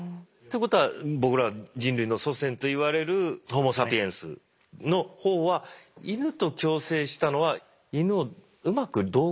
ということは僕ら人類の祖先と言われるホモサピエンスの方はイヌと共生したのはイヌをうまく道具として活用して。